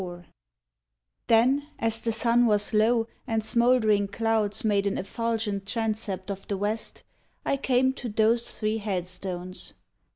54 THE TRYST Then, as the sun was low, and smouldering clouds Made an effulgent transept of the west, I came to those three headstones.